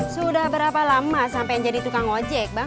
sudah berapa lama sampai jadi tukang ojek bang